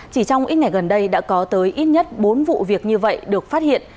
chỉ trong ít ngày gần đây đã có tới ít nhất bốn vụ việc như vậy được phát hiện